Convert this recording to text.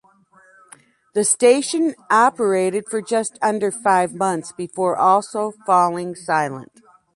The station operated for just under five months before also falling silent.